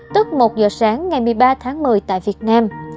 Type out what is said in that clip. tức một giờ sáng ngày một mươi ba tháng một mươi tại việt nam